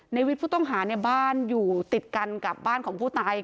ในวิทย์ผู้ต้องหาเนี่ยบ้านอยู่ติดกันกับบ้านของผู้ตาย